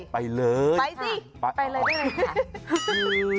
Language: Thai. ไปเลยค่ะไปได้มั้ยค่ะค่ะ